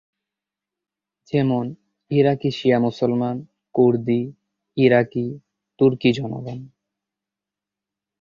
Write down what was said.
যেমন, ইরাকি শিয়া মুসলমান, কুর্দি, ইরাকি তুর্কি জনগণ।